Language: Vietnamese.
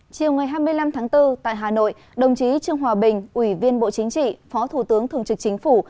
chiều ngày hai mươi năm tháng bốn tại hà nội đồng chí trương hòa bình ủy viên bộ chính trị phó thủ tướng thường trực chính phủ